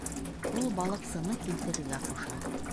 Ул балыҡсыны килтерергә ҡуша.